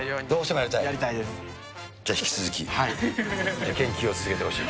じゃあ、引き続き研究を続けてほしい。